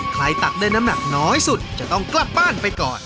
ตักได้น้ำหนักน้อยสุดจะต้องกลับบ้านไปก่อน